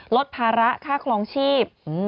ลดภาระค่าครองชีพ